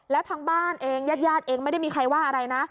แล้วทางบ้านเองญาติญาติเองไม่ได้มีใครว่าอะไรนะ